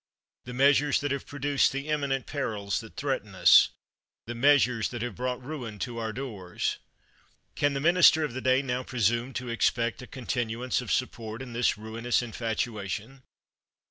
The measures that have produced the imminent perils that threaten us; the measures that have brought ruin to our doors. Can the minister of the day now presume to expect a continuance of support in this ruinous infatuation?